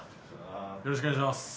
よろしくお願いします。